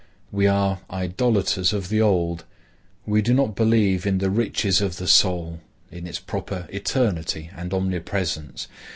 We are idolaters of the old. We do not believe in the riches of the soul, in its proper eternity and omnipresence.